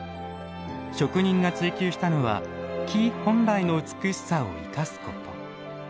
職人が追求したのは木本来の美しさを生かすこと。